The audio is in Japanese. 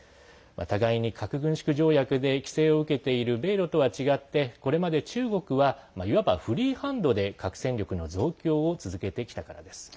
互いに核軍縮条約で規制を受けている米ロとは違ってこれまで中国はいわばフリーハンドで核戦力の増強を続けてきたからです。